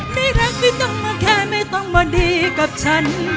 ไม่รักไม่ต้องมาแค่ไม่ต้องมาดีกับฉัน